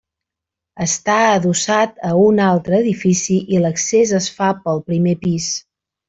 Està adossat a un altre edifici i l'accés es fa pel primer pis.